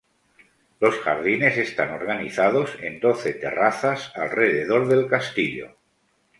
Los jardines están organizados en doce terrazas alrededor del castillo.